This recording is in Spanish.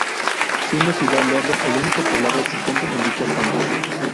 Siendo Ciudad Lerdo el único poblado existente en dicha zona.